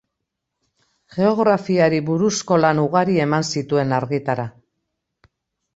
Geografiari buruzko lan ugari eman zituen argitara.